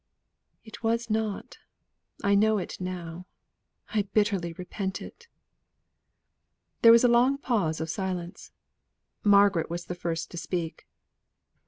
"It was not. I know it now. I bitterly repent it." There was a long pause of silence. Margaret was the first to speak.